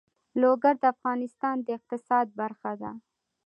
لوگر د افغانستان د اقتصاد برخه ده.